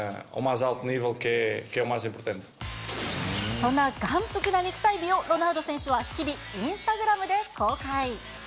そんな眼福な肉体美をロナウド選手は日々、インスタグラムで公開。